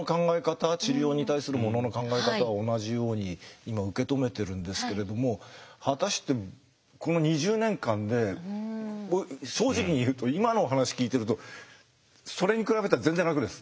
治療に対するものの考え方は同じように今受け止めてるんですけれども果たしてこの２０年間で正直に言うと今のお話聞いてるとそれに比べたら全然楽です。